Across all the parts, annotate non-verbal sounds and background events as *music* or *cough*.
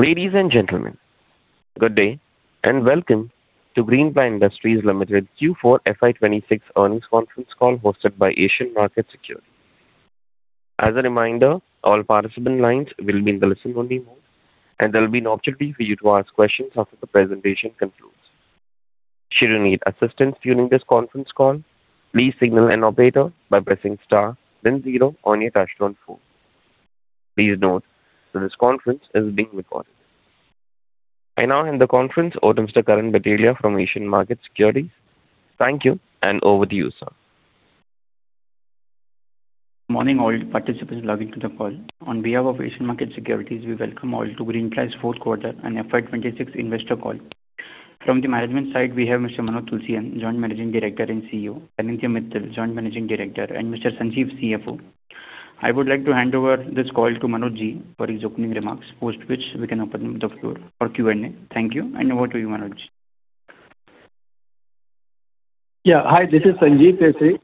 Ladies and gentlemen, good day, and welcome to Greenply Industries Limited Q4 FY 2026 Earnings Conference Call hosted by Asian Markets Securities. As a reminder, all participant lines will be in the listen-only mode, and there'll be an opportunity for you to ask questions after the presentation concludes. Should you need assistance during this conference call, please signal an operator by pressing star then zero on your touch-tone phone. Please note that this conference is being recorded. I now hand the conference over to Mr. Karan Bhatelia from Asian Markets Securities. Thank you, and over to you, sir. Morning, all participants logged into the call. On behalf of Asian Markets Securities, we welcome all to Greenply Industries' fourth quarter and FY 2026 investor call. From the management side, we have Mr. Manoj Tulsian, Joint Managing Director and CEO; Sanidhya Mittal, Joint Managing Director; and Mr. Sanjiv, CFO. I would like to hand over this call to Manoj Ji for his opening remarks, post which we can open the floor for Q&A. Thank you, and over to you, Manoj. Yeah. Hi, this is Sanjiv Keshri.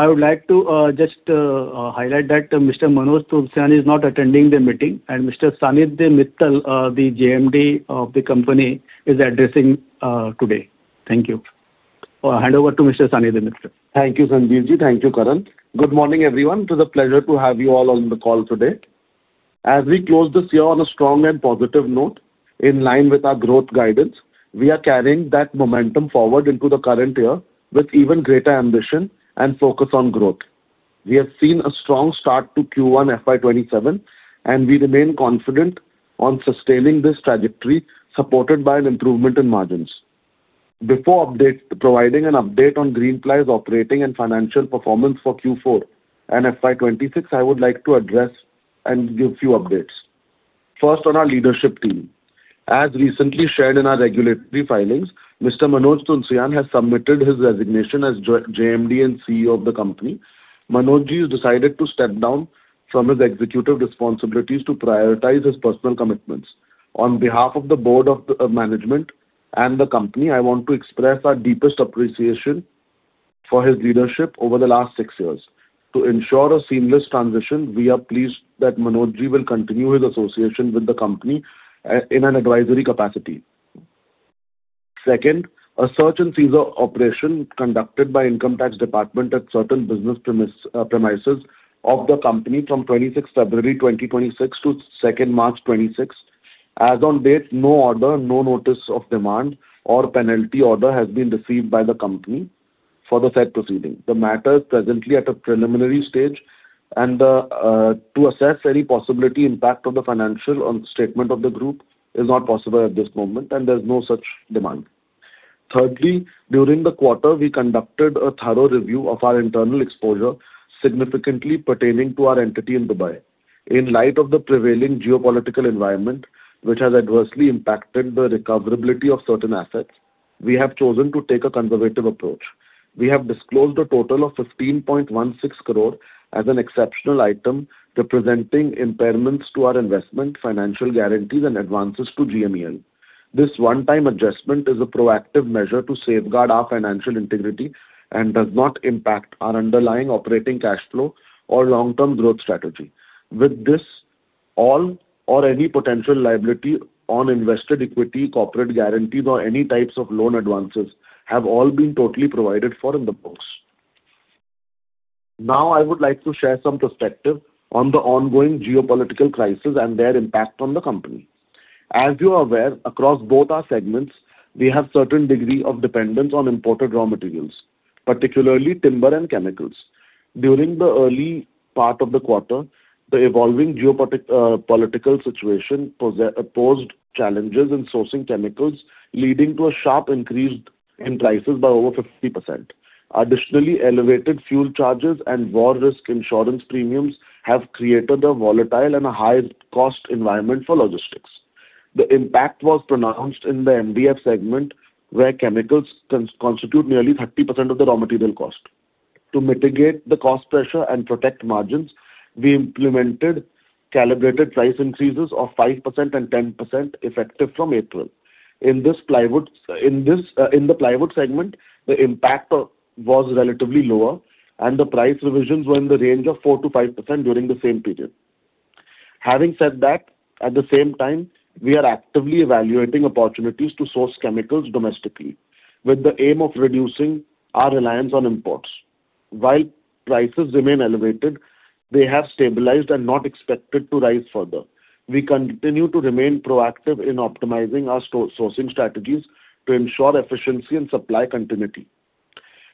I would like to just highlight that Mr. Manoj Tulsian is not attending the meeting and Mr. Sanidhya Mittal, the JMD of the company is addressing today. Thank you. I'll hand over to Mr. Sanidhya Mittal. Thank you, Sanjiv Ji. Thank you, Karan. Good morning, everyone. It is a pleasure to have you all on the call today. We close this year on a strong and positive note, in line with our growth guidance, we are carrying that momentum forward into the current year with even greater ambition and focus on growth. We have seen a strong start to Q1 FY 2027, we remain confident on sustaining this trajectory, supported by an improvement in margins. Before providing an update on Greenply's operating and financial performance for Q4 and FY 2026, I would like to address and give few updates. First, on our leadership team. Recently shared in our regulatory filings, Mr. Manoj Tulsian has submitted his resignation as JMD and CEO of the company. Manoj Ji has decided to step down from his executive responsibilities to prioritize his personal commitments. On behalf of the Board of the management and the company, I want to express our deepest appreciation for his leadership over the last six years. To ensure a seamless transition, we are pleased that Manoj Ji will continue his association with the company in an advisory capacity. Second, a search and seizure operation conducted by Income Tax Department at certain business premises of the company from 26th February 2026 to 2nd March 2026. As on date, no order, no notice of demand or penalty order has been received by the company for the said proceeding. The matter is presently at a preliminary stage and to assess any possibility impact of the financial on statement of the group is not possible at this moment. There's no such demand. Thirdly, during the quarter we conducted a thorough review of our internal exposure, significantly pertaining to our entity in Dubai. In light of the prevailing geopolitical environment, which has adversely impacted the recoverability of certain assets, we have chosen to take a conservative approach. We have disclosed a total of 15.16 crore as an exceptional item representing impairments to our investment, financial guarantees, and advances to GMEL. This one-time adjustment is a proactive measure to safeguard our financial integrity and does not impact our underlying operating cash flow or long-term growth strategy. With this, all or any potential liability on invested equity, corporate guarantees or any types of loan advances have all been totally provided for in the books. Now I would like to share some perspective on the ongoing geopolitical crisis and their impact on the company. As you are aware, across both our segments we have certain degree of dependence on imported raw materials, particularly timber and chemicals. During the early part of the quarter, the evolving political situation posed challenges in sourcing chemicals, leading to a sharp increase in prices by over 50%. Additionally, elevated fuel charges and war risk insurance premiums have created a volatile and a high cost environment for logistics. The impact was pronounced in the MDF segment, where chemicals constitute nearly 30% of the raw material cost. To mitigate the cost pressure and protect margins, we implemented calibrated price increases of 5% and 10% effective from April. In the plywood segment, the impact was relatively lower and the price revisions were in the range of 4%-5% during the same period. Having said that, at the same time, we are actively evaluating opportunities to source chemicals domestically with the aim of reducing our reliance on imports. While prices remain elevated, they have stabilized and not expected to rise further. We continue to remain proactive in optimizing our sourcing strategies to ensure efficiency and supply continuity.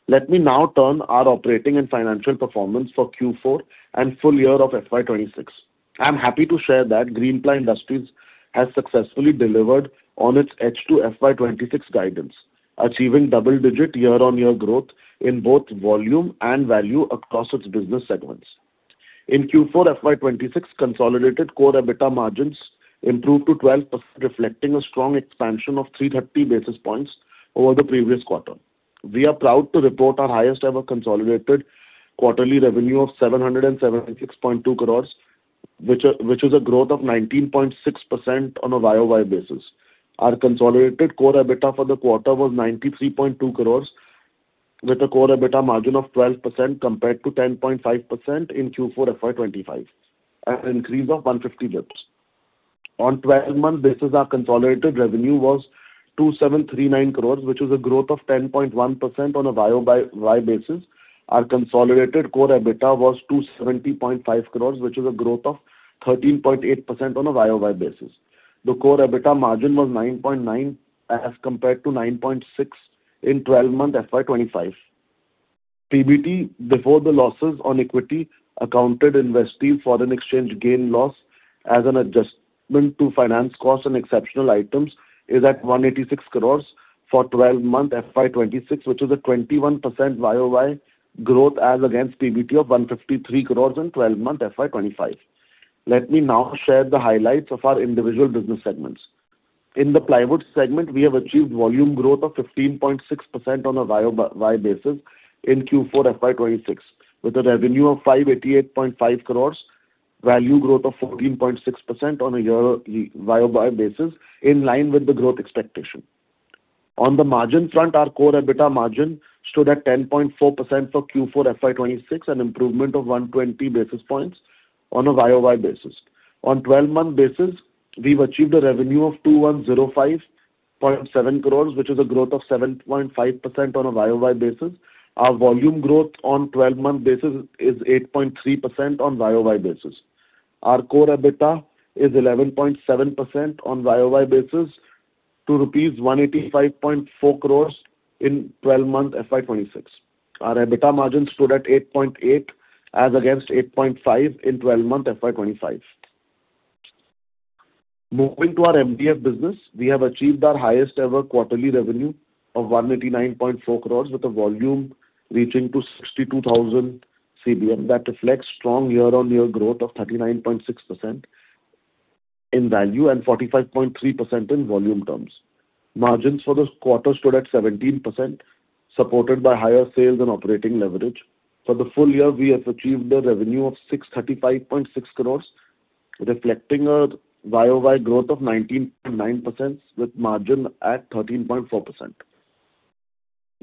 Let me now turn our operating and financial performance for Q4 and full year of FY 2026. I'm happy to share that Greenply Industries has successfully delivered on its [pledge] to FY 2026 guidance, achieving double-digit year-on-year growth in both volume and value across its business segments. In Q4 FY 2026, consolidated core EBITDA margins improved to 12%, reflecting a strong expansion of 330 basis points over the previous quarter. We are proud to report our highest ever consolidated quarterly revenue of 776.2 crore, which is a growth of 19.6% on a YoY basis. Our consolidated core EBITDA for the quarter was 93.2 crore with a core EBITDA margin of 12% compared to 10.5% in Q4 FY 2025, an increase of 150 basis points. On 12-month basis, our consolidated revenue was 2,739 crore, which was a growth of 10.1% on a YoY basis. Our consolidated core EBITDA was 270.5 crore, which was a growth of 13.8% on a YoY basis. The core EBITDA margin was 9.9% as compared to 9.6% in 12-month FY 2025. PBT, before the losses on equity accounted investee foreign exchange gain/loss as an adjustment to finance costs and exceptional items, is at 186 crore for 12-month FY 2026, which is a 21% YoY growth as against PBT of 153 crore in 12-month FY 2025. Let me now share the highlights of our individual business segments. In the plywood segment, we have achieved volume growth of 15.6% on a YoY basis in Q4 FY 2026, with a revenue of 588.5 crore, value growth of 14.6% on a YoY basis, in line with the growth expectation. On the margin front, our core EBITDA margin stood at 10.4% for Q4 FY 2026, an improvement of 120 basis points on a YoY basis. On 12-month basis, we've achieved a revenue of 2,105.7 crore, which is a growth of 7.5% on a YoY basis. Our volume growth on 12-month basis is 8.3% on YoY basis. Our core EBITDA is 11.7% on YoY basis to rupees 185.4 crore in 12-month FY 2026. Our EBITDA margin stood at 8.8% as against 8.5% in 12-month FY 2025. Moving to our MDF business. We have achieved our highest ever quarterly revenue of 189.4 crore with a volume reaching to 62,000 CBM. That reflects strong year-on-year growth of 39.6% in value and 45.3% in volume terms. Margins for the quarter stood at 17%, supported by higher sales and operating leverage. For the full year, we have achieved a revenue of 635.6 crore, reflecting a YoY growth of 19.9% with margin at 13.4%.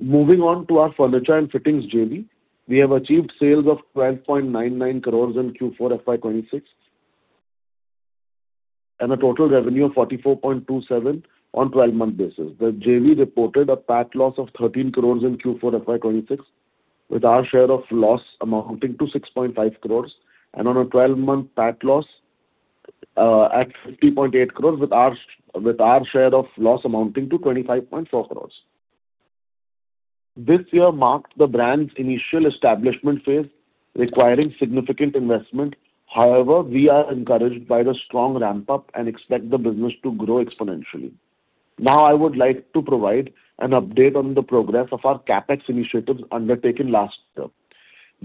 Moving on to our furniture and fittings JV. We have achieved sales of 12.99 crore in Q4 FY 2026 and a total revenue of 44.27 on 12-month basis. The JV reported a PAT loss of 13 crore in Q4 FY 2026, with our share of loss amounting to 6.5 crore. On a 12-month PAT loss at 50.8 crore with our share of loss amounting to 25.4 crore. This year marked the brand's initial establishment phase, requiring significant investment. However, we are encouraged by the strong ramp-up and expect the business to grow exponentially. Now, I would like to provide an update on the progress of our CapEx initiatives undertaken last year.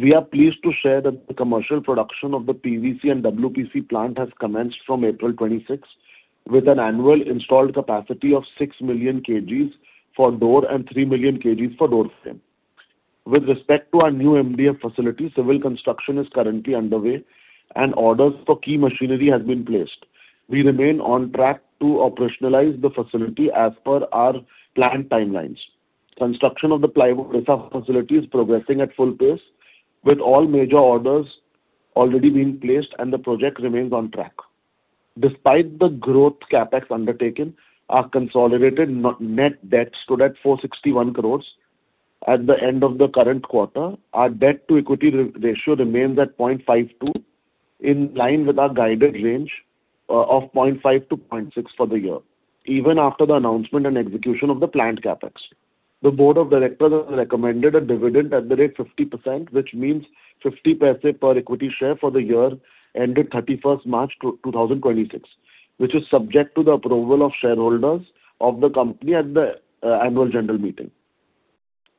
We are pleased to share that the commercial production of the PVC and WPC plant has commenced from April 26, with an annual installed capacity of 6 million kgs for door and 3 million kgs for door frame. With respect to our new MDF facility, civil construction is currently underway and orders for key machinery has been placed. We remain on track to operationalize the facility as per our planned timelines. Construction of the plywood facility is progressing at full pace, with all major orders already being placed and the project remains on track. Despite the growth CapEx undertaken, our consolidated net debt stood at 461 crore at the end of the current quarter. Our debt-to-equity ratio remains at 0.52x, in line with our guided range of 0.5x-0.6x for the year, even after the announcement and execution of the planned CapEx. The board of directors recommended a dividend at the rate 50%, which means 0.50 per equity share for the year ended 31st March 2026, which is subject to the approval of shareholders of the company at the annual general meeting.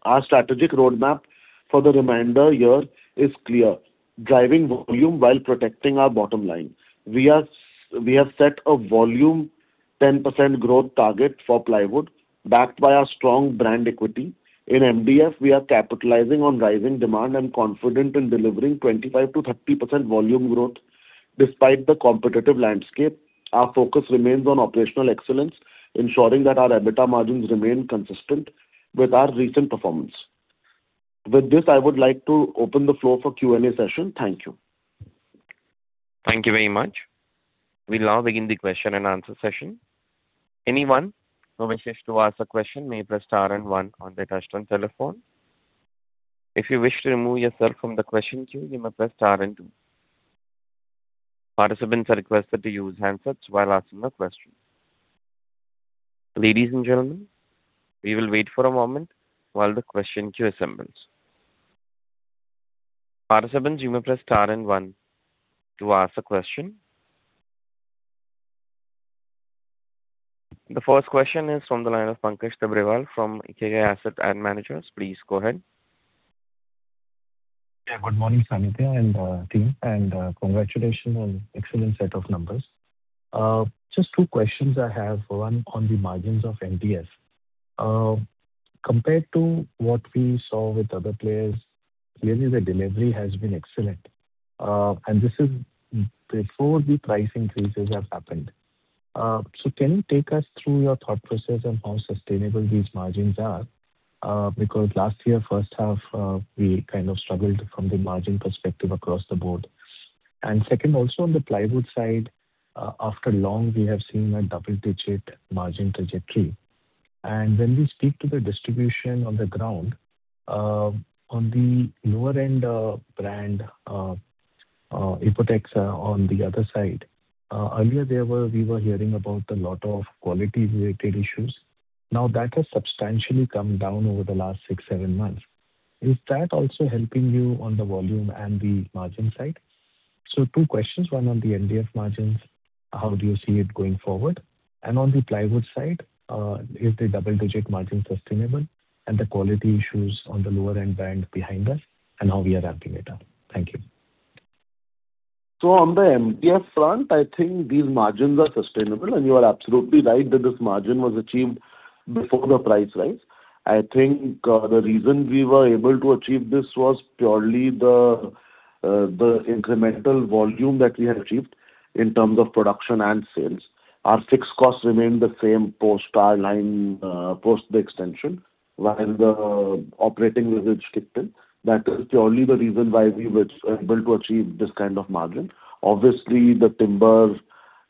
Our strategic roadmap for the remainder year is clear: driving volume while protecting our bottom line. We have set a volume 10% growth target for plywood backed by our strong brand equity. In MDF, we are capitalizing on rising demand and confident in delivering 25%-30% volume growth despite the competitive landscape. Our focus remains on operational excellence, ensuring that our EBITDA margins remain consistent with our recent performance. With this, I would like to open the floor for Q&A session. Thank you. Thank you very much. We now begin the question-and-answer session. Anyone who wishes to ask a question may press star and one on their touch-tone telephone. If you wish to remove yourself from the question queue, you may press star and two. Participants are requested to use handsets while asking a question. Ladies and gentlemen, we will wait for a moment while the question queue assembles. Participants, you may press star and one to ask a question. The first question is from the line of Pankaj Tibrewal from Ikigai Asset Manager. Please go ahead. Good morning, Sanidhya and team, and congratulations on excellent set of numbers. Just two questions I have. One, on the margins of MDF. Compared to what we saw with other players, really the delivery has been excellent. This is before the price increases have happened. Can you take us through your thought process on how sustainable these margins are? Last year first half, we kind of struggled from the margin perspective across the board. Second, also on the plywood side, after long we have seen a double-digit margin trajectory. When we speak to the distribution on the ground, on the lower end, brand Ecotec on the other side, earlier we were hearing about a lot of quality-related issues. Now, that has substantially come down over the last six, seven months. Is that also helping you on the volume and the margin side? Two questions, one on the MDF margins, how do you see it going forward? On the plywood side, is the double-digit margin sustainable and the quality issues on the lower end brand behind us and how we are ramping it up? Thank you. On the MDF front, I think these margins are sustainable, and you are absolutely right that this margin was achieved before the price rise. I think the reason we were able to achieve this was purely the incremental volume that we had achieved in terms of production and sales. Our fixed costs remained the same post our line, post the extension, while the operating leverage kicked in. That is purely the reason why we were able to achieve this kind of margin. Obviously, the timbers,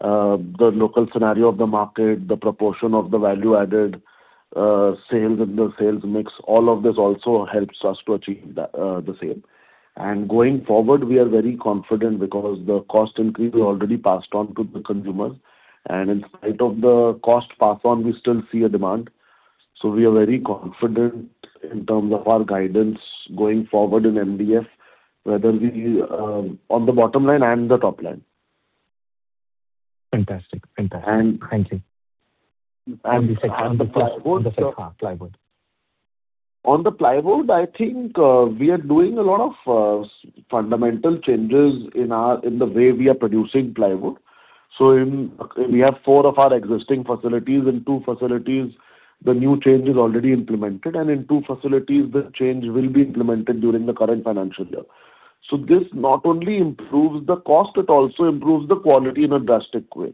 the local scenario of the market, the proportion of the value-added sales and the sales mix, all of this also helps us to achieve that the same. Going forward, we are very confident because the cost increase we already passed on to the consumers. In spite of the cost pass on, we still see a demand. We are very confident in terms of our guidance going forward in MDF, whether we on the bottom line and the top line. Fantastic. Fantastic. And- Thank you. The second one, the plywood. On the plywood, I think, we are doing a lot of fundamental changes in our in the way we are producing plywood. In, we have four of our existing facilities. In two facilities the new change is already implemented, and in two facilities the change will be implemented during the current financial year. This not only improves the cost, it also improves the quality in a drastic way.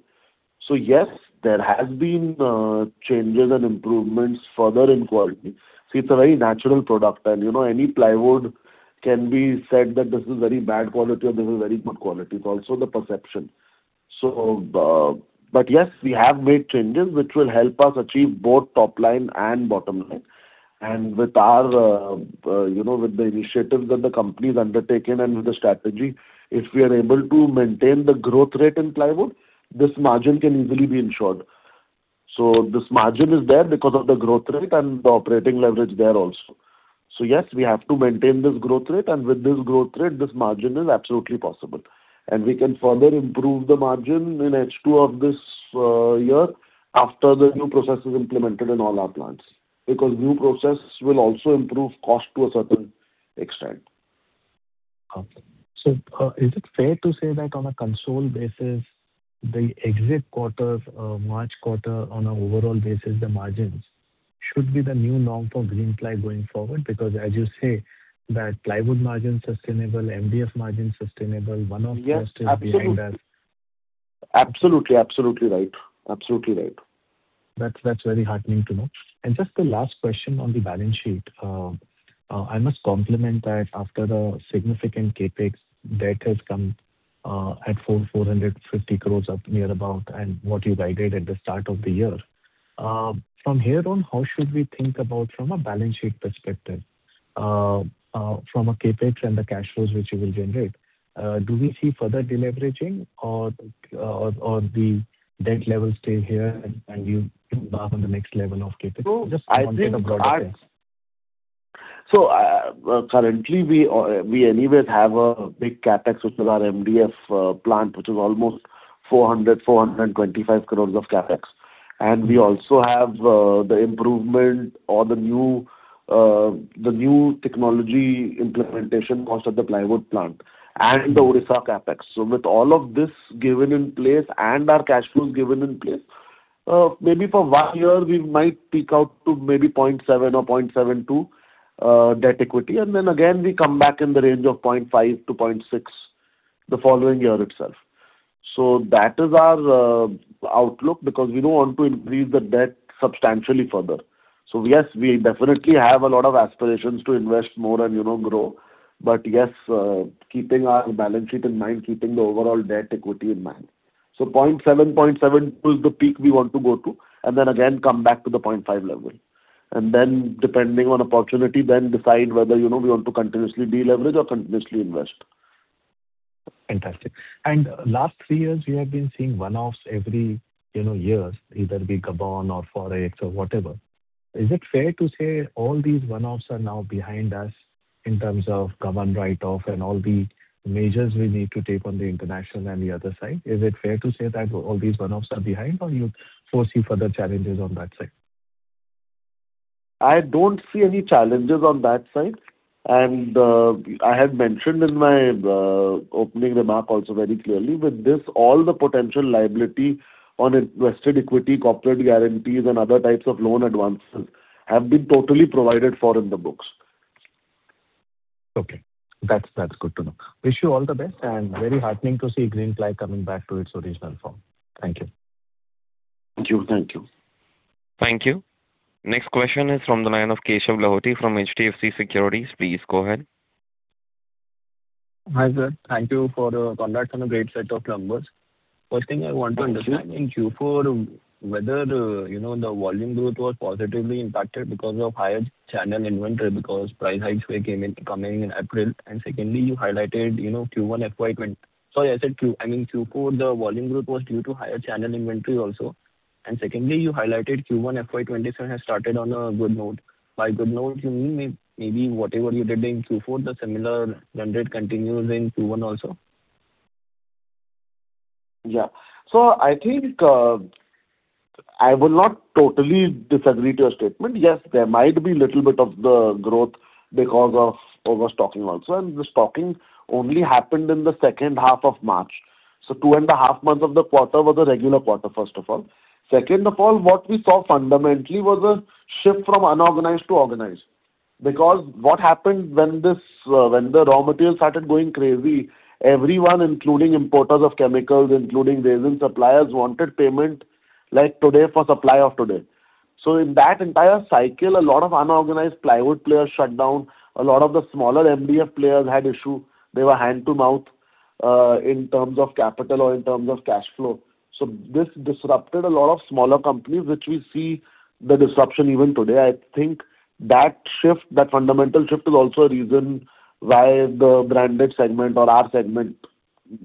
Yes, there has been changes and improvements further in quality. See, it's a very natural product and, you know, any plywood can be said that this is very bad quality or this is very good quality. It's also the perception. Yes, we have made changes which will help us achieve both top line and bottom line. With our, you know, with the initiatives that the company has undertaken and with the strategy, if we are able to maintain the growth rate in plywood, this margin can easily be ensured. This margin is there because of the growth rate and the operating leverage there also. Yes, we have to maintain this growth rate, and with this growth rate this margin is absolutely possible. We can further improve the margin in H2 of this year after the new process is implemented in all our plants. New process will also improve cost to a certain extent. Okay. Is it fair to say that on a consolidated basis, the exit quarter of March quarter on an overall basis, the margins should be the new norm for Greenply going forward, because as you say that plywood margin sustainable, MDF margin sustainable, one-off cost is behind us? Yes, absolutely. Absolutely right. Absolutely right. That's very heartening to know. Just a last question on the balance sheet. I must compliment that after the significant CapEx, debt has come at 450 crore up near about, and what you guided at the start of the year. From here on, how should we think about from a balance sheet perspective, from a CapEx and the cash flows which you will generate? Do we see further deleveraging or the debt level stay here and you embark on the next level of CapEx? Just to get a broader picture. I think currently we anyways have a big CapEx, which is our MDF plant, which is almost 400 crore-425 crore of CapEx. We also have the improvement or the new technology implementation cost of the plywood plant and the Odisha CapEx. With all of this given in place and our cash flows given in place, maybe for 1oneyear we might peak out to maybe 0.7x or 0.72x debt equity. Again we come back in the range of 0.5x-0.6x the following year itself. That is our outlook because we don't want to increase the debt substantially further. Yes, we definitely have a lot of aspirations to invest more and, you know, grow. Keeping our balance sheet in mind, keeping the overall debt equity in mind, 0.7x, 0.72x is the peak we want to go to, then again come back to the 0.5x level. Depending on opportunity, then decide whether, you know, we want to continuously deleverage or continuously invest. Fantastic. Last three years you have been seeing one-offs every, you know, years, either be Gabon or Forex or whatever. Is it fair to say all these one-offs are now behind us in terms of Gabon write-off and all the measures we need to take on the international and the other side? Is it fair to say that all these one-offs are behind? Or you foresee further challenges on that side? I don't see any challenges on that side. I had mentioned in my opening remark also very clearly. With this, all the potential liability on invested equity, corporate guarantees and other types of loan advancements have been totally provided for in the books. Okay. That's good to know. Wish you all the best, very heartening to see Greenply coming back to its original form. Thank you. Thank you. Thank you. Thank you. Next question is from the line of Keshav Lahoti from HDFC Securities. Please go ahead. Hi, sir. Thank you for the, congrats on a great set of numbers. Thank you. First thing I want to understand in Q4 whether, you know, the volume growth was positively impacted because of higher channel inventory because price hikes were coming in April. Secondly, you highlighted, you know, Q4, the volume growth was due to higher channel inventory also. Secondly, you highlighted Q1 FY 2027 has started on a good note. By good note you mean maybe whatever you did in Q4, the similar trend rate continues in Q1 also? Yeah. I think I will not totally disagree to your statement. Yes, there might be little bit of the growth because of overstocking also. The stocking only happened in the second half of March. Two and a half months of the quarter were the regular quarter, first of all. Second of all, what we saw fundamentally was a shift from unorganized to organized. What happened when this when the raw material started going crazy, everyone including importers of chemicals, including resin suppliers, wanted payment like today for supply of today. In that entire cycle, a lot of unorganized plywood players shut down. A lot of the smaller MDF players had issue. They were hand-to-mouth in terms of capital or in terms of cash flow. This disrupted a lot of smaller companies, which we see the disruption even today. I think that shift, that fundamental shift is also a reason why the branded segment or our segment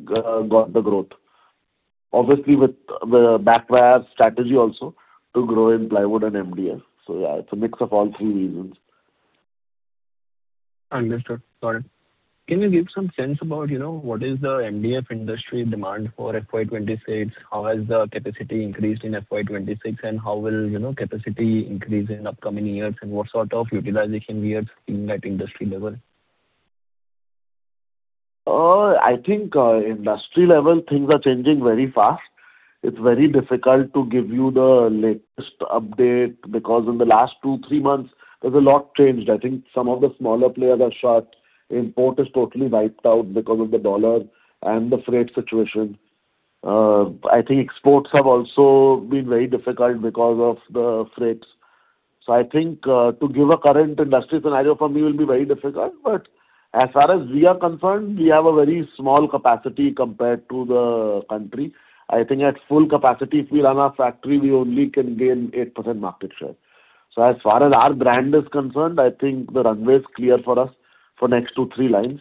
got the growth. Obviously, with the backed by our strategy also to grow in plywood and MDF. Yeah, it's a mix of all three reasons. Understood. Got it. Can you give some sense about, you know, what is the MDF industry demand for FY 2026? How has the capacity increased in FY 2026? How will, you know, capacity increase in upcoming years? What sort of utilization we are seeing at industry level? I think industry-level things are changing very fast. It's very difficult to give you the latest update because in the last two, three months there's a lot changed. I think some of the smaller players are shut. Import is totally wiped out because of the U.S. dollar and the freight situation. I think exports have also been very difficult because of the freights. I think to give a current industry scenario for me will be very difficult. But as far as we are concerned, we have a very small capacity compared to the country. I think at full capacity, if we run our factory, we only can gain 8% market share. As far as our brand is concerned, I think the runway is clear for us for next two, three lines.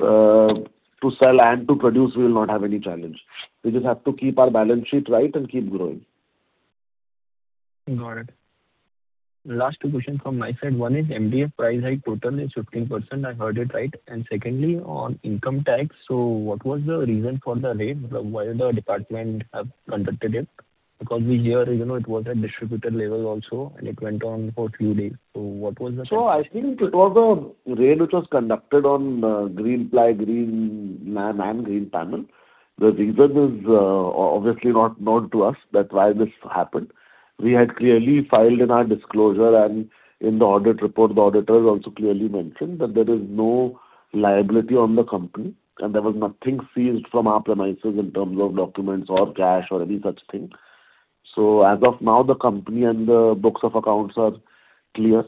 To sell and to produce, we will not have any challenge. We just have to keep our balance sheet right and keep growing. Got it. Last two questions from my side. One is MDF price hike total is 15%. I heard it right. Secondly, on income tax, so what was the reason for the raid? Like, why the Department have conducted it? We hear, you know, it was at distributor level also, and it went on for few days. What was the- I think it was a raid which was conducted on Greenply, Greenlam and Greenpanel. The reason is obviously not known to us that why this happened. We had clearly filed in our disclosure and in the audit report the auditors also clearly mentioned that there is no liability on the company and there was nothing seized from our premises in terms of documents or cash or any such thing. As of now, the company and the books of accounts are clear.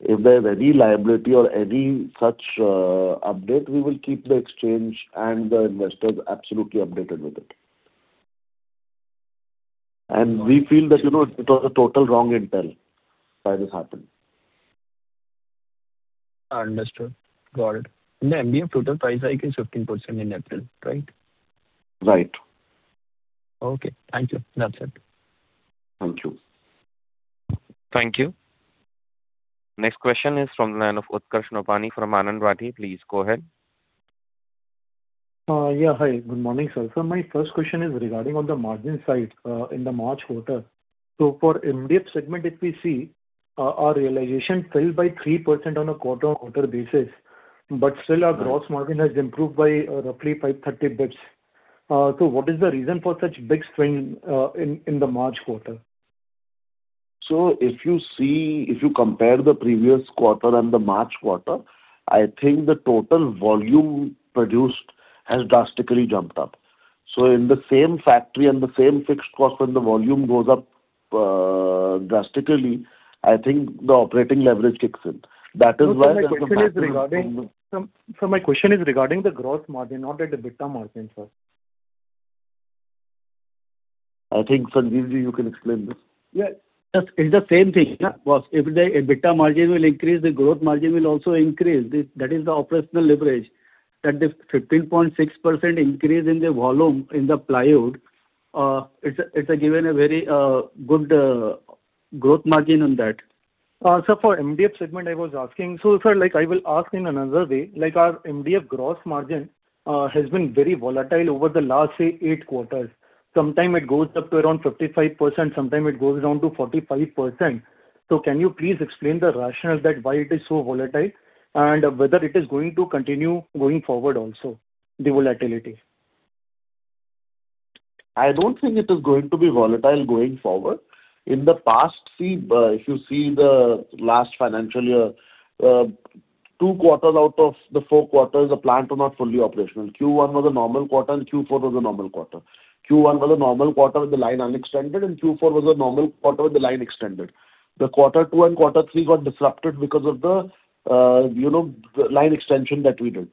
If there's any liability or any such update, we will keep the exchange and the investors absolutely updated with it. We feel that, you know, it was a total wrong intel why this happened. Understood. Got it. The MDF total price hike is 15% in April, right? Right. Okay. Thank you. That's it. Thank you. Thank you. Next question is from the line of Utkarsh Nopany from Anand Rathi. Please go ahead. Yeah. Hi. Good morning, sir. My first question is regarding on the margin side in the March quarter. For MDF segment, if we see, our realization fell by 3% on a quarter-on-quarter basis, but still our gross margin has improved by roughly 530 basis. What is the reason for such big swing in the March quarter? If you compare the previous quarter and the March quarter, I think the total volume produced has drastically jumped up. In the same factory and the same fixed cost, when the volume goes up drastically, I think the operating leverage kicks in. Sir, my question is regarding the gross margin, not at the EBITDA margin, sir. I think Sanjiv Ji, you can explain this. Yeah. It's the same thing. Yeah. If the EBITDA margin will increase, the growth margin will also increase. That is the operational leverage. That the 15.6% increase in the volume in the plywood, it's given a very good growth margin on that. Sir, for MDF segment I was asking. Sir, I will ask in another way. Our MDF gross margin has been very volatile over the last, say, eight quarters. Sometime it goes up to around 55%, sometime it goes down to 45%. Can you please explain the rationale that why it is so volatile, and whether it is going to continue going forward also, the volatility? I don't think it is going to be volatile going forward. In the past, if you see the last financial year, two quarters out of the four quarters, the plant were not fully operational. Q1 was a normal quarter and Q4 was a normal quarter. Q1 was a normal quarter with the line unextended, Q4 was a normal quarter with the line extended. The quarter two and quarter three got disrupted because of the, you know, the line extension that we did.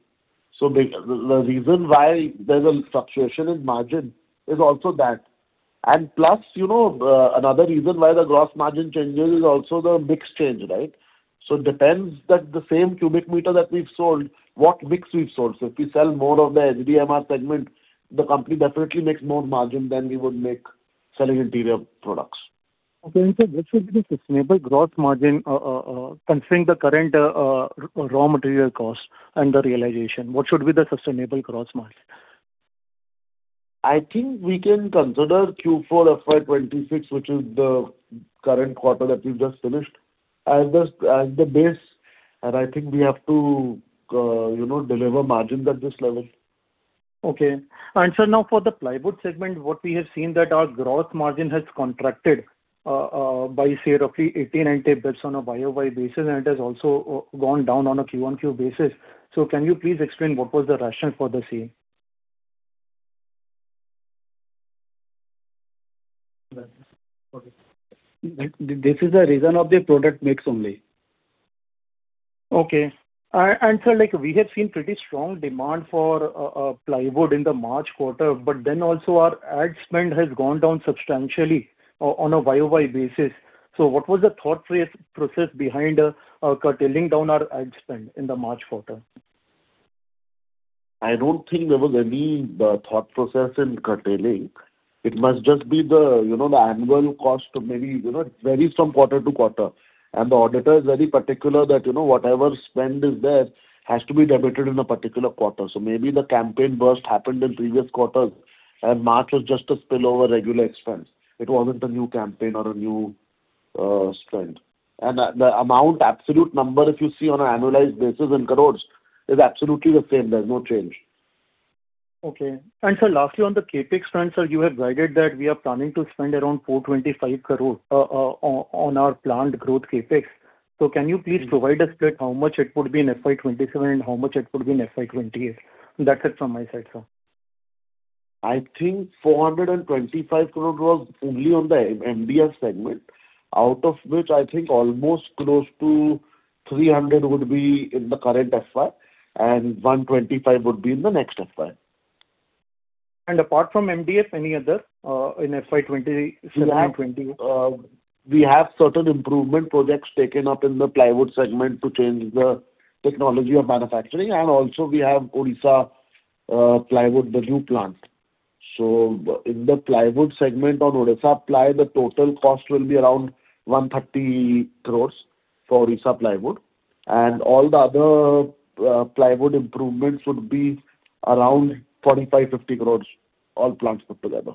The reason why there's a fluctuation in margin is also that. Plus, you know, another reason why the gross margin changes is also the mix change, right? It depends that the same cubic meter that we've sold, what mix we've sold. If we sell more of the HDMR segment, the company definitely makes more margin than we would make selling interior products. Okay. Sir, what should be the sustainable gross margin, considering the current raw material cost and the realization? What should be the sustainable gross margin? I think we can consider Q4 FY 2026, which is the current quarter that we've just finished, as the base. I think we have to, you know, deliver margins at this level. Okay. Sir, now for the plywood segment, what we have seen that our gross margin has contracted, by say roughly 80, 90 basis points on a YoY basis, and it has also gone down on a [Q1-Q] basis. Can you please explain what was the rationale for the same? Right. Okay. This is the reason of the product mix only. Okay. sir, like we have seen pretty strong demand for plywood in the March quarter, also our ad spend has gone down substantially on a YoY basis. What was the thought process behind curtailing down our ad spend in the March quarter? I don't think there was any thought process in curtailing. It must just be the, you know, the annual cost to maybe. You know, it varies from quarter-to-quarter, and the auditor is very particular that, you know, whatever spend is there has to be debited in a particular quarter. So maybe the campaign burst happened in previous quarters, and March was just a spillover regular expense. It wasn't a new campaign or a new spend. And the amount, absolute number, if you see on an annualized basis in crore, is absolutely the same. There's no change. Okay. sir, lastly, on the CapEx front, sir, you have guided that we are planning to spend around 425 crore on our plant growth CapEx. Can you please provide a split how much it would be in FY 2027 and how much it would be in FY 2028? That's it from my side, sir. I think 425 crore was only on the MDF segment, out of which I think almost close to 300 crore would be in the current FY and 125 crore would be in the next FY. apart from MDF, any other, in FY *audio distortion* We have- *audio distortion* We have certain improvement projects taken up in the plywood segment to change the technology of manufacturing, also we have Odisha plywood, the new plant. In the plywood segment on Odisha ply, the total cost will be around 130 crore for Odisha plywood. All the other plywood improvements would be around 45 crore-50 crore, all plants put together.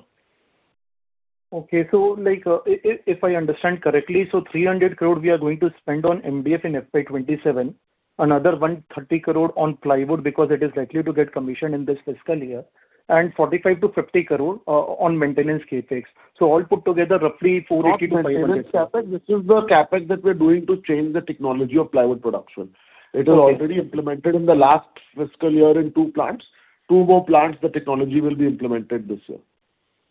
Okay. If I understand correctly, 300 crore we are going to spend on MDF in FY 2027, another 130 crore on plywood because it is likely to get commissioned in this fiscal year, and 45 crore-50 crore on maintenance CapEx. All put together roughly 480 crore-500 crore. Not maintenance CapEx. This is the CapEx that we're doing to change the technology of plywood production. Okay. It was already implemented in the last fiscal year in two plants. Two more plants, the technology will be implemented this year.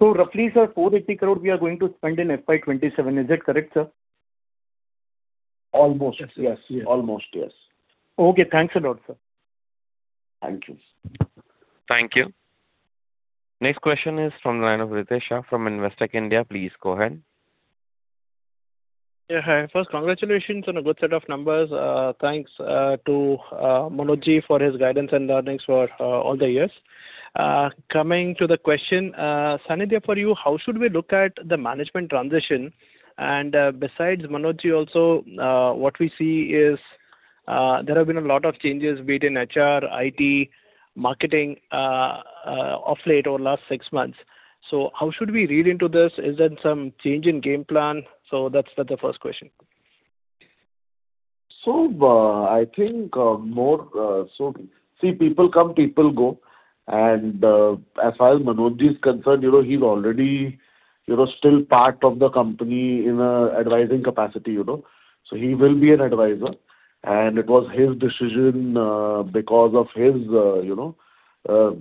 Roughly, sir, 480 crore we are going to spend in FY 2027. Is it correct, sir? Almost, yes. Yes. Yes. Almost, yes. Okay. Thanks a lot, sir. Thank you. Thank you. Next question is from the line of Ritesh Shah from Investec India. Please go ahead. Yeah. Hi. First, congratulations on a good set of numbers. Thanks to Manoj Ji for his guidance and learnings for all the years. Coming to the question, Sanidhya, for you, how should we look at the management transition? Besides Manoj Ji also, what we see is there have been a lot of changes, be it in HR, IT, marketing, of late or last six months. How should we read into this? Is there some change in game plan? That's the first question. I think, more. See, people come, people go. As far as Manoj Ji is concerned, you know, he's already, you know, still part of the company in an advisory capacity, you know. He will be an advisor. It was his decision, because of his, you know,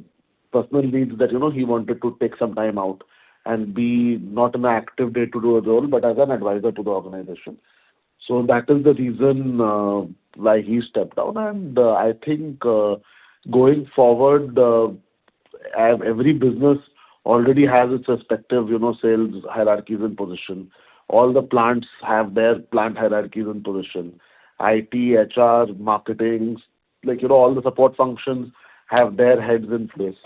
personal needs that, you know, he wanted to take some time out and be not an active day-to-day role, but as an advisor to the organization. That is the reason why he stepped down. I think, going forward, every business already has its respective, you know, sales hierarchies in position. All the plants have their plant hierarchies in position. IT, HR, marketing, like, you know, all the support functions have their heads in place.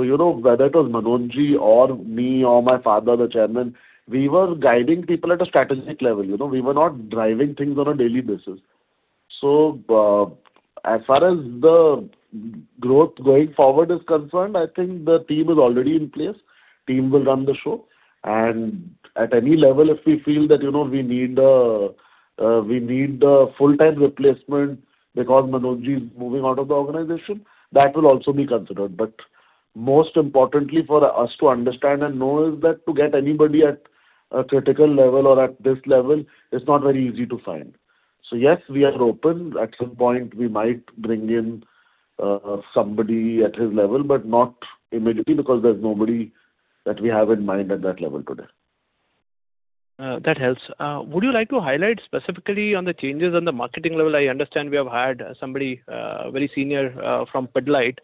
You know, whether it was Manoj Ji or me or my father, the Chairman, we were guiding people at a strategic level. You know, we were not driving things on a daily basis. As far as the growth going forward is concerned, I think the team is already in place. Team will run the show. At any level, if we feel that, you know, we need a full-time replacement because Manoj Ji is moving out of the organization. That will also be considered. Most importantly for us to understand and know is that to get anybody at a critical level or at this level is not very easy to find. Yes, we are open. At some point we might bring in somebody at his level, but not immediately because there's nobody that we have in mind at that level today. That helps. Would you like to highlight specifically on the changes on the marketing level? I understand we have hired somebody, very senior, from Pidilite.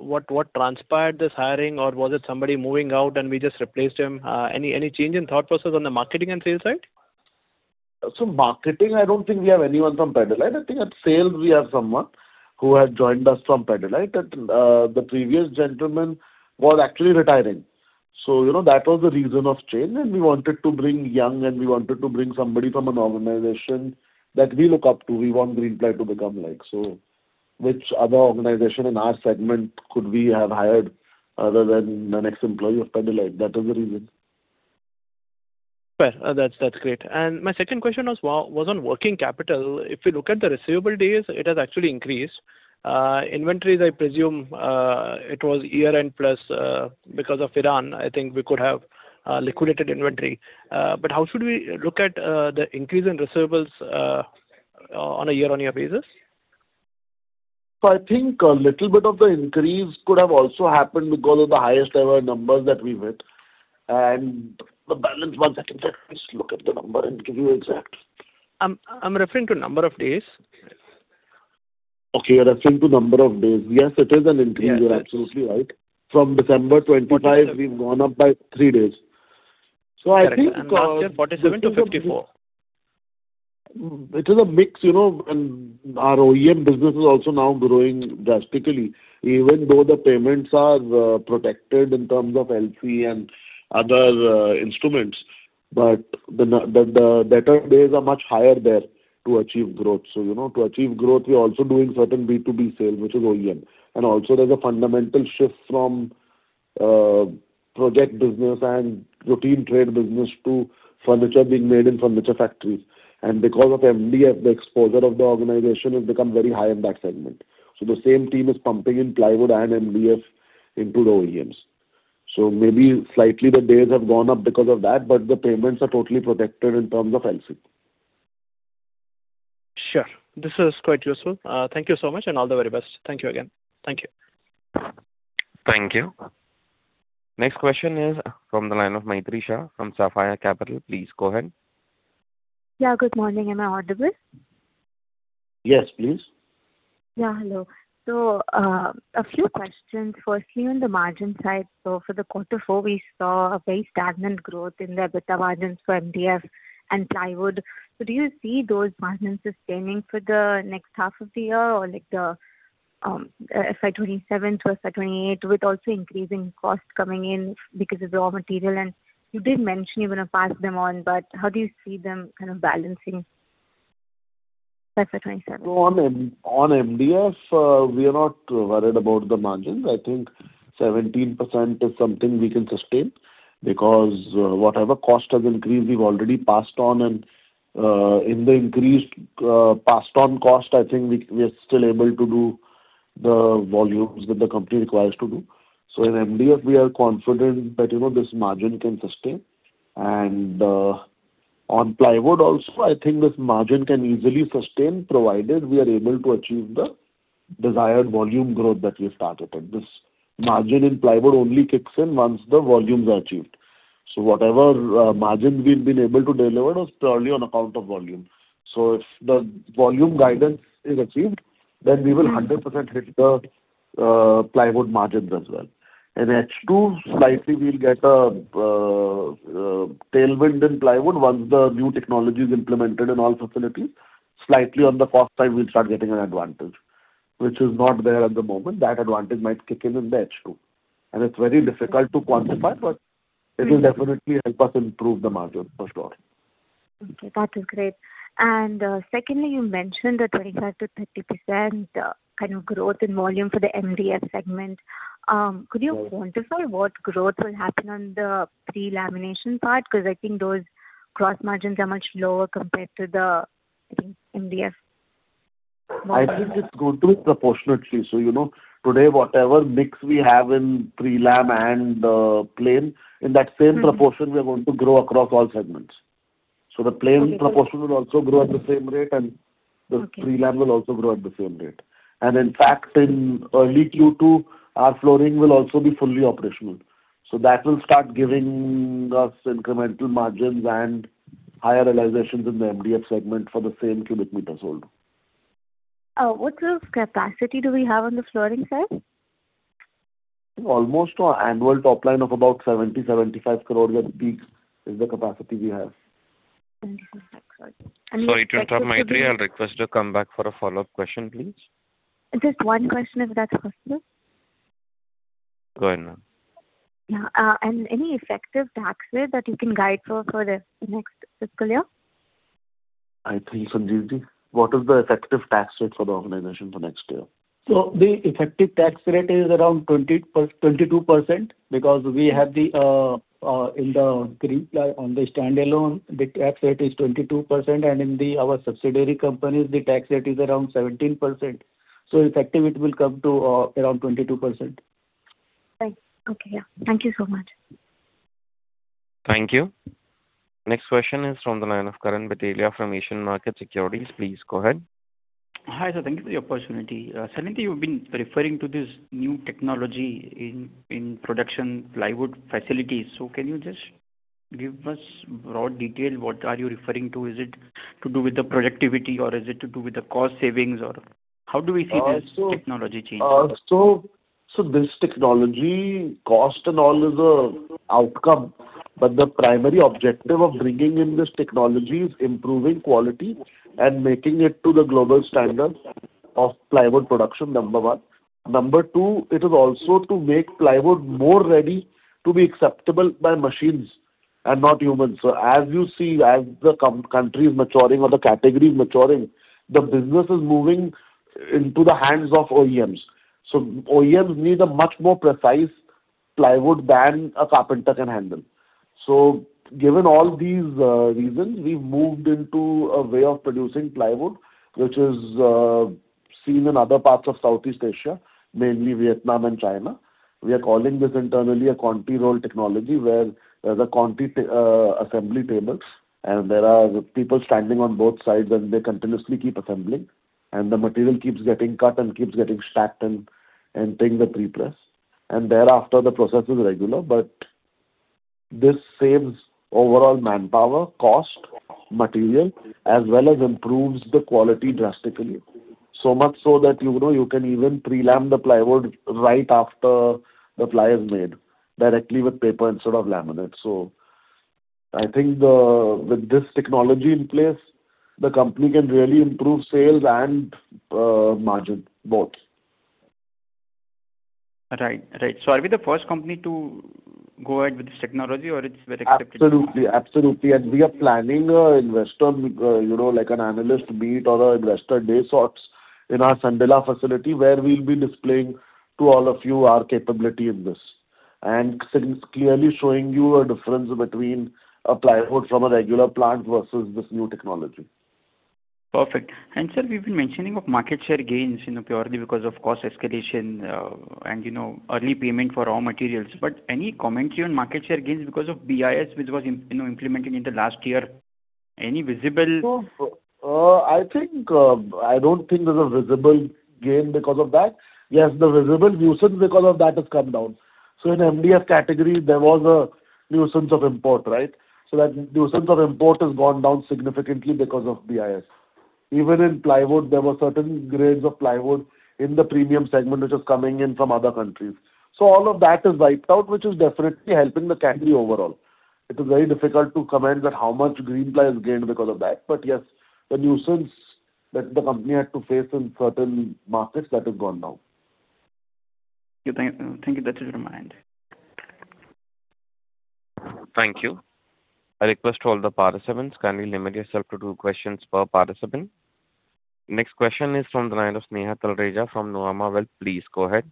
What transpired this hiring or was it somebody moving out and we just replaced him? Any change in thought process on the marketing and sales side? Marketing, I don't think we have anyone from Pidilite. I think at sales we have someone who had joined us from Pidilite. The previous gentleman was actually retiring. You know, that was the reason of change, and we wanted to bring young and we wanted to bring somebody from an organization that we look up to, we want Greenply to become like. Which other organization in our segment could we have hired other than an ex-employee of Pidilite? That was the reason. Fair. That's great. My second question was on working capital. If you look at the receivable days, it has actually increased. Inventories, I presume, it was year-end plus, because of Iran, I think we could have liquidated inventory. How should we look at the increase in receivables on a year-on-year basis? I think a little bit of the increase could have also happened because of the highest ever numbers that we hit. The balance, one second, let me just look at the number and give you exact. I'm referring to number of days. Okay, you're referring to number of days. Yes, it is an increase. Yes. You're absolutely right. From December 25, we've gone up by three days. I think. Correct. Last year 47 crore-54 crore. It is a mix, you know. Our OEM business is also now growing drastically. Even though the payments are protected in terms of LC and other instruments, but the better days are much higher there to achieve growth. You know, to achieve growth, we're also doing certain B2B sales, which is OEM. Also there's a fundamental shift from project business and routine trade business to furniture being made in furniture factories. Because of MDF, the exposure of the organization has become very high in that segment. The same team is pumping in plywood and MDF into the OEMs. Maybe slightly the days have gone up because of that, but the payments are totally protected in terms of LC. Sure. This is quite useful. Thank you so much and all the very best. Thank you again. Thank you. Thank you. Next question is from the line of Maitri Shah from Sapphire Capital. Please go ahead. Yeah. Good morning. Am I audible? Yes, please. Yeah, hello. A few questions. Firstly, on the margin side. For the quarter four, we saw a very stagnant growth in the EBITDA margins for MDF and plywood. Do you see those margins sustaining for the next half of the year or like the FY 2027 to FY 2028, with also increasing costs coming in because of the raw material? You did mention you're going to pass them on, but how do you see them kind of balancing for FY 2027? On MDF, we are not worried about the margins. I think 17% is something we can sustain because whatever cost has increased, we've already passed on. In the increased passed on cost, I think we are still able to do the volumes that the company requires to do. In MDF we are confident that, you know, this margin can sustain. On plywood also, I think this margin can easily sustain, provided we are able to achieve the desired volume growth that we have targeted. This margin in plywood only kicks in once the volumes are achieved. Whatever margin we've been able to deliver was purely on account of volume. If the volume guidance is achieved, then we will 100% hit the plywood margins as well. In H2, slightly we'll get a tailwind in plywood once the new technology is implemented in all facilities. Slightly on the cost side we'll start getting an advantage, which is not there at the moment. That advantage might kick in in the H2. It's very difficult to quantify, but it will definitely help us improve the margin, for sure. Okay, that is great. Secondly, you mentioned the 25%-30% kind of growth in volume for the MDF segment. Could you quantify what growth will happen on the pre-lamination part? Because I think those gross margins are much lower compared to the MDF volume. I think it's going to be proportionately. You know, today whatever mix we have in pre-lam and plain, in that same proportion we are going to grow across all segments. Okay. Got it. The plain proportion will also grow at the same rate, and the pre-lam will also grow at the same rate. In fact, in early Q2, our flooring will also be fully operational. That will start giving us incremental margins and higher realizations in the MDF segment for the same cubic meters sold. What sort of capacity do we have on the flooring side? Almost an annual top line of about 70-INNR 75 crore at peak is the capacity we have. Okay. That's all. Sorry to interrupt, Maitri. I'll request her come back for a follow-up question, please. Just one question, if that's possible. Go ahead, ma'am. Yeah. Any effective tax rate that you can guide for for the next fiscal year? I think Sanjiv Ji, what is the effective tax rate for the organization for next year? The effective tax rate is around 22% because we have the in the Greenply on the standalone, the tax rate is 22%, and our subsidiary companies, the tax rate is around 17%. Effective it will come to around 22%. Right. Okay. Yeah. Thank you so much. Thank you. Next question is from the line of Karan Bhatelia from Asian Markets Securities. Please go ahead. Hi, sir. Thank you for the opportunity. Recently you've been referring to this new technology in production plywood facilities. Can you just give us broad detail what are you referring to? Is it to do with the productivity or is it to do with the cost savings, or how do we see this technology changing? This technology cost and all is an outcome, but the primary objective of bringing in this technology is improving quality and making it to the global standards of plywood production, number one. Number two, it is also to make plywood more ready to be acceptable by machines and not humans. As you see, as the countries maturing or the category is maturing, the business is moving into the hands of OEMs. OEMs need a much more precise plywood than a carpenter can handle. Given all these reasons, we've moved into a way of producing plywood, which is seen in other parts of Southeast Asia, mainly Vietnam and China. We are calling this internally a ContiRoll technology, where there's a Conti assembly tables, and there are people standing on both sides, and they continuously keep assembling. The material keeps getting cut and keeps getting stacked and taking the pre-press. Thereafter, the process is regular. This saves overall manpower, cost, material, as well as improves the quality drastically. So much so that, you know, you can even pre-lam the plywood right after the ply is made directly with paper instead of laminate. I think the with this technology in place, the company can really improve sales and margin, both. Right. Right. Are we the first company to go ahead with this technology or it's very accepted? Absolutely. Absolutely. We are planning a investor, you know, like an analyst meet or a investor day sorts in our Sandila facility where we'll be displaying to all of you our capability in this, since clearly showing you a difference between a plywood from a regular plant versus this new technology. Perfect. sir, we've been mentioning of market share gains, you know, purely because of cost escalation, and, you know, early payment for raw materials. any commentary on market share gains because of BIS which was, you know, implementing in the last year? Any visible? I think, I don't think there's a visible gain because of that. Yes, the visible nuisance because of that has come down. In MDF category there was a nuisance of import, right? That nuisance of import has gone down significantly because of BIS. Even in plywood, there were certain grades of plywood in the premium segment which was coming in from other countries. All of that is wiped out, which is definitely helping the category overall. It is very difficult to comment that how much Greenply has gained because of that. Yes, the nuisance that the company had to face in certain markets, that has gone down. Thank you. That's a reminder. Thank you. I request all the participants, kindly limit yourself to two questions per participant. Next question is from the line of Sneha Talreja from Nuvama Wealth. Please go ahead.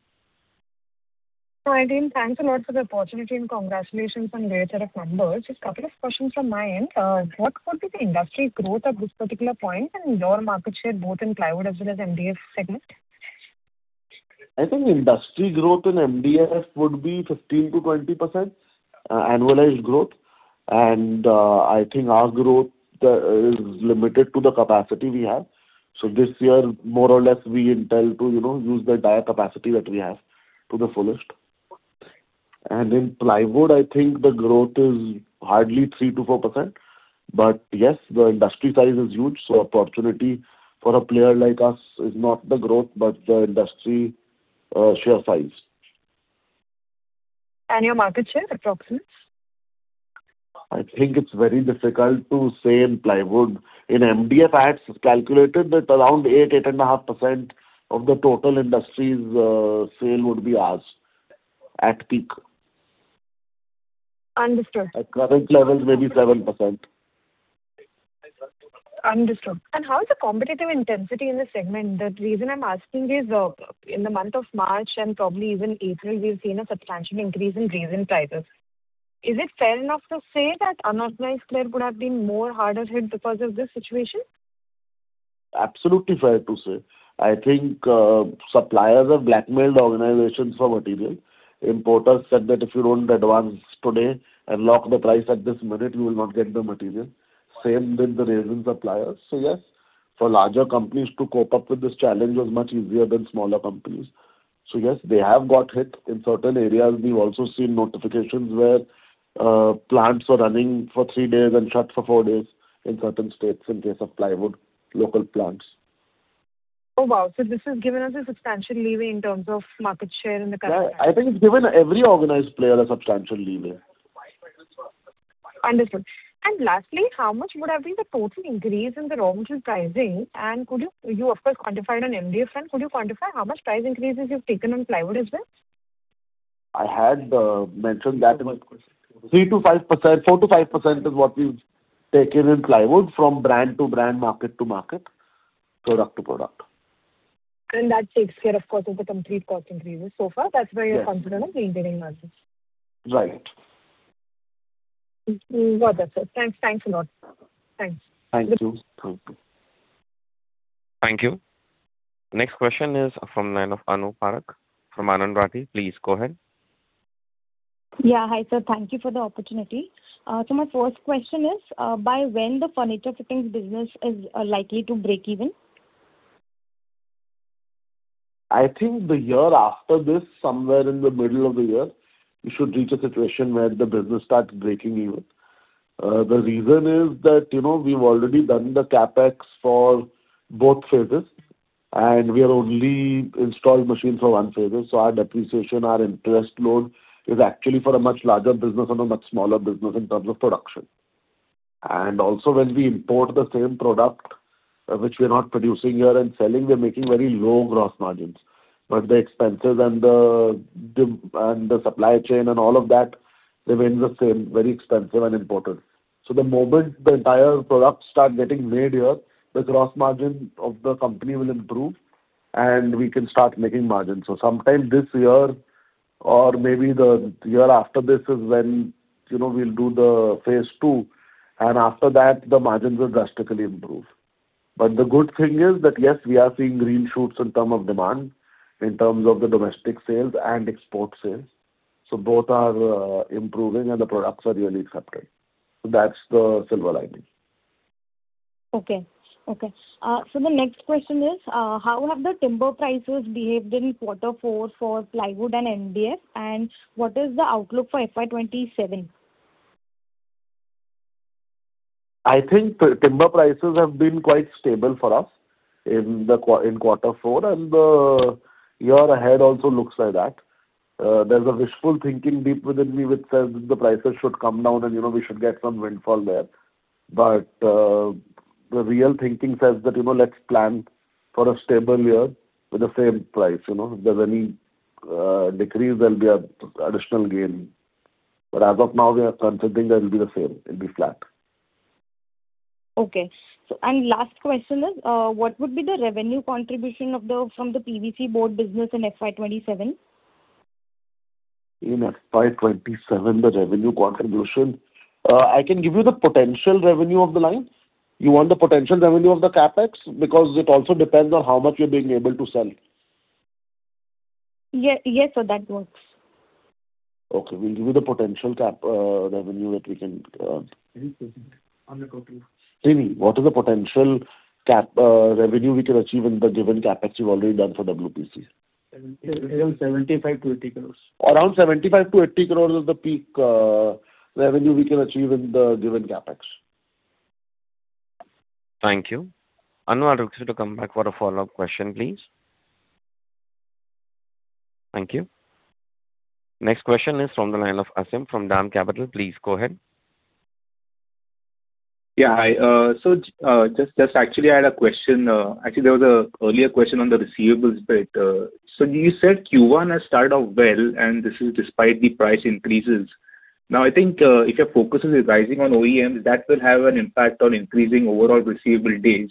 Hi, team. Thanks a lot for the opportunity and congratulations on the of numbers. Just couple of questions from my end. What could be the industry growth at this particular point and your market share both in plywood as well as MDF segment? I think industry growth in MDF would be 15%-20% annualized growth. I think our growth is limited to the capacity we have. This year, more or less, we intend to, you know, use the dire capacity that we have to the fullest. In plywood, I think the growth is hardly 3%-4%. Yes, the industry size is huge, so opportunity for a player like us is not the growth, but the industry share size. Your market share approximates? I think it's very difficult to say in plywood. In MDF, I had calculated that around 8.5% of the total industry's sale would be ours at peak. Understood. At current levels, maybe 7%. Understood. How is the competitive intensity in this segment? The reason I'm asking is, in the month of March and probably even April, we've seen a substantial increase in resin prices. Is it fair enough to say that unorganized player could have been more harder hit because of this situation? Absolutely fair to say. I think suppliers have blackmailed organizations for material. Importers said that if you don't advance today and lock the price at this minute, you will not get the material. Same did the resin suppliers. Yes, for larger companies to cope up with this challenge was much easier than smaller companies. Yes, they have got hit. In certain areas we've also seen notifications where plants were running for three days and shut for four days in certain states in case of plywood, local plants. Oh, wow. This has given us a substantial leeway in terms of market share. Yeah. I think it's given every organized player a substantial leeway. Understood. Lastly, how much would have been the total increase in the raw material pricing? You of course quantified on MDF end, could you quantify how much price increases you've taken on plywood as well? I had mentioned that 3%-5%, 4%-5% is what we've taken in plywood from brand-to-brand, market-to-market, product-to- product. That takes care, of course, of the complete cost increases so far. That's why you're confident of maintaining margins. Right. Well done, sir. Thanks a lot. Thanks. Thank you. Thank you. Thank you. Next question is from line of Anu Parakh from Anand Rathi. Please go ahead. Yeah. Hi, sir. Thank you for the opportunity. My first question is, by when the furniture fittings business is likely to break even? I think the year after this, somewhere in the middle of the year, we should reach a situation where the business starts breaking even. The reason is that, you know, we've already done the CapEx for both phases, and we have only installed machines for one phase. Our depreciation, our interest load is actually for a much larger business on a much smaller business in terms of production. Also, when we import the same product, which we are not producing here and selling, we're making very low gross margins. The expenses and the supply chain and all of that remains the same, very expensive and imported. The moment the entire product start getting made here, the gross margin of the company will improve, and we can start making margins. Sometime this year or maybe the year after this is when, you know, we'll do the Phase 2, and after that the margins will drastically improve. The good thing is that, yes, we are seeing green shoots in terms of demand, in terms of the domestic sales and export sales. Both are improving and the products are really accepted. That's the silver lining. Okay. Okay. The next question is, how have the timber prices behaved in quarter four for plywood and MDF? What is the outlook for FY 2027? I think timber prices have been quite stable for us in quarter four, and the year ahead also looks like that. There's a wishful thinking deep within me which says that the prices should come down and, you know, we should get some windfall there. The real thinking says that, you know, let's plan for a stable year with the same price, you know. If there's any decrease, there'll be a additional gain. As of now, we are considering that it'll be the same. It'll be flat. Okay. Last question is, what would be the revenue contribution from the PVC board business in FY 2027? In FY 2027, I can give you the potential revenue of the line. You want the potential revenue of the CapEx? Because it also depends on how much you're being able to sell. Yeah. Yes, sir. That works. Okay. We'll give you the potential cap, revenue that we can. *audio distortion* Sreeni, what is the potential cap revenue we can achieve in the given CapEx we've already done for WPC? 75 crore- 80 crore. Around 75 crore-80 crore is the peak revenue we can achieve in the given CapEx. Thank you. Anu, I'll request you to come back for a follow-up question, please. Thank you. Next question is from the line of Aasim from DAM Capital. Please go ahead. Yeah. Hi. Just actually I had a question. Actually, there was a earlier question on the receivables bit. You said Q1 has started off well, and this is despite the price increases. Now, I think, if your focus is rising on OEMs, that will have an impact on increasing overall receivable days.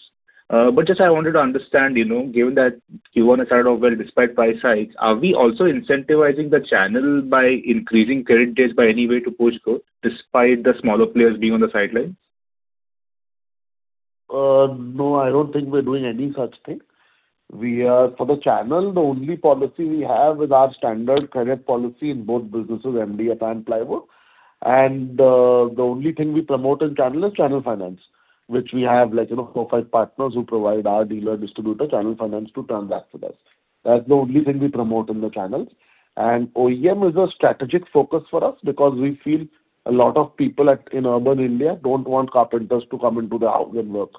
Just I wanted to understand, you know, given that Q1 has started off well despite price hikes, are we also incentivizing the channel by increasing credit days by any way to push growth despite the smaller players being on the sidelines? No, I don't think we're doing any such thing. For the channel, the only policy we have is our standard credit policy in both businesses, MDF and plywood. The only thing we promote in channel is channel finance, which we have like, you know, four, five partners who provide our dealer distributor channel finance to transact with us. That's the only thing we promote in the channels. OEM is a strategic focus for us because we feel a lot of people in urban India don't want carpenters to come into the house and work,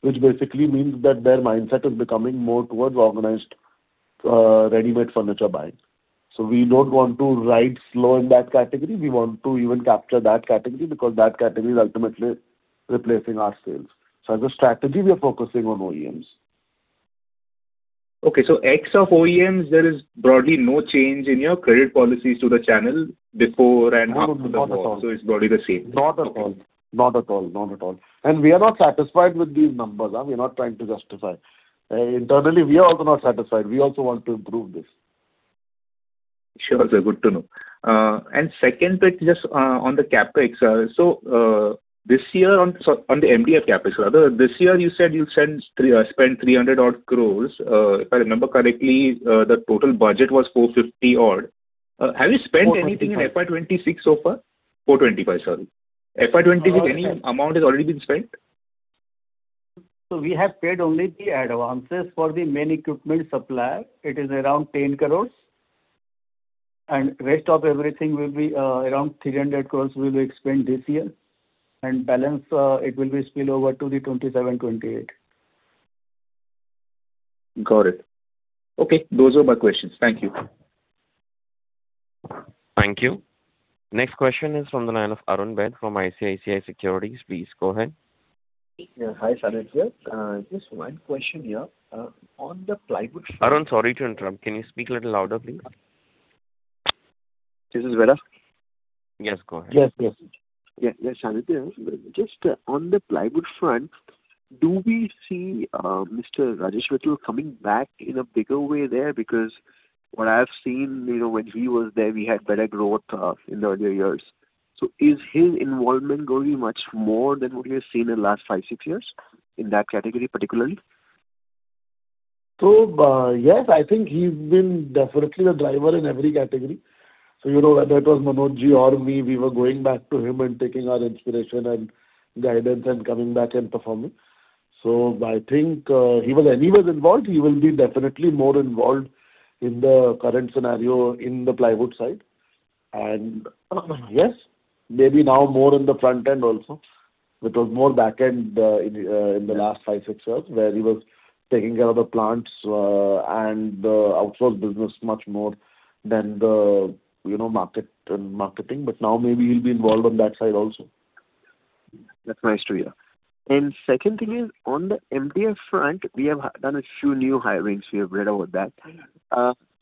which basically means that their mindset is becoming more towards organized, readymade furniture buying. We don't want to ride slow in that category. We want to even capture that category because that category is ultimately replacing our sales. As a strategy, we are focusing on OEMs. Okay. Ex of OEMs, there is broadly no change in your credit policies to the channel before and after the war? Not at all. It's broadly the same. Not at all. Okay. Not at all. Not at all. We are not satisfied with these numbers. We are not trying to justify. Internally, we are also not satisfied. We also want to improve this. Sure, sir. Good to know. Second bit just, on the CapEx. On the MDF CapEx rather, this year you said you'll spend 300 odd crore. If I remember correctly, the total budget was 450 odd crore. Have you spent anything? in FY 2026 so far? 425 crore, sorry. Uh- FY 2026, any amount has already been spent? We have paid only the advances for the main equipment supplier. It is around 10 crore. Rest of everything will be around 300 crore will be spent this year. Balance, it will be spill over to the 2027, 2028. Got it. Okay. Those are my questions. Thank you. Thank you. Next question is from the line of Arun Baid from ICICI Securities. Please go ahead. Yeah. Hi, Sanidhya. Just one question here. On the plywood front- Arun, sorry to interrupt. Can you speak a little louder, please? This is better? Yes, go ahead. Yes, yes. Yeah, yeah, Sanidhya here. Just on the plywood front, do we see Mr. Rajesh Mittal coming back in a bigger way there? Because what I've seen, you know, when he was there, we had better growth in the earlier years. Is his involvement going much more than what we have seen in last five, six years in that category particularly? Yes, I think he's been definitely a driver in every category. You know, whether it was Manoj Ji or me, we were going back to him and taking our inspiration and guidance and coming back and performing. I think he was anyways involved. He will be definitely more involved in the current scenario in the plywood side. Yes, maybe now more in the front end also. It was more back end in the last five, six years where he was taking care of the plants and the outsourced business much more than the, you know, market and marketing. Now maybe he'll be involved on that side also. That's nice to hear. Second thing is on the MDF front, we have done a few new hirings. We have read about that.